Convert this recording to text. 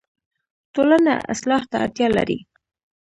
ټولنه اصلاح ته اړتیا لري